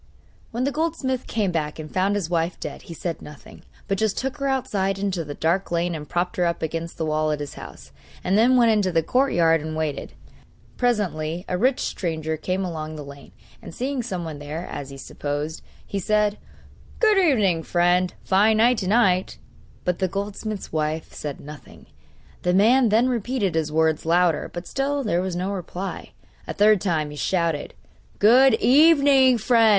When the goldsmith came back and found his wife dead he said nothing, but just took her outside into the dark lane and propped her up against the wall of his house, and then went into the courtyard and waited. Presently a rich stranger came along the lane, and seeing someone there, as he supposed, he said: 'Good evening, friend! a fine night to night!' But the goldsmith's wife said nothing. The man then repeated his words louder; but still there was no reply. A third time he shouted: 'Good evening, friend!